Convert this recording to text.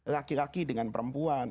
laki laki dengan perempuan